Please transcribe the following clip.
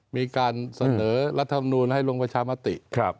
มีการเสนอรัฐมนูลให้ลงประชามติ